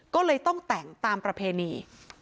ก็เลยต้องแต่งตามประเพณี